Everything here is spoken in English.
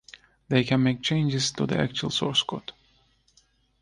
They can make changes to the actual source code.